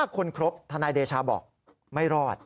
คนครบทนายเดชาบอกไม่รอด